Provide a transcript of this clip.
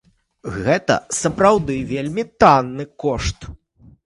Гэта сапраўды вельмі танны кошт.